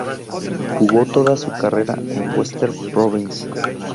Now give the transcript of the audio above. Jugó toda su carrera en Western Province.